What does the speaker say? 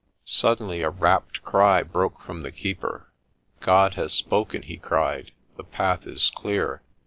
Suddenly a rapt cry broke from the Keeper. "God has spoken," he cried. "The path is clear.